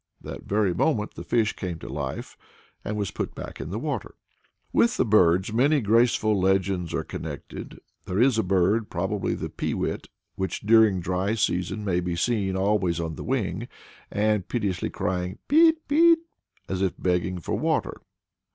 That very moment the fish came to life, and was put back in the water." With the birds many graceful legends are connected. There is a bird, probably the peewit, which during dry weather may be seen always on the wing, and piteously crying Peet, Peet, as if begging for water.